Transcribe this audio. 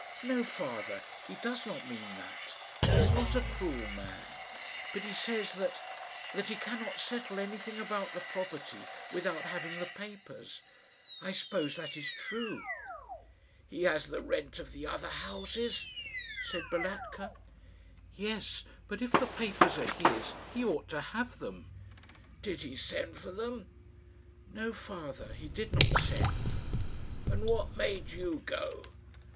"No, father; he does not mean that. He is not a cruel man. But he says that that he cannot settle anything about the property without having the papers. I suppose that is true." "He has the rent of the other houses," said Balatka. "Yes; but if the papers are his, he ought to have them." "Did he send for them?" "No, father; he did not send." "And what made you go?"